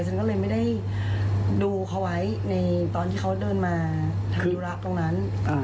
ฉันก็เลยไม่ได้ดูเขาไว้ในตอนที่เขาเดินมาทำธุระตรงนั้น